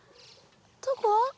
どこ？